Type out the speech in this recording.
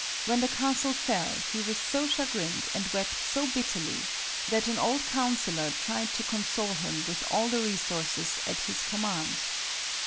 When the castle fell, he was so chagrined and wept so bitterly that an old councillor tried to console him with all the resources at his command.